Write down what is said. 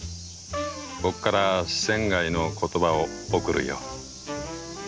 僕から仙の言葉を贈るよ」。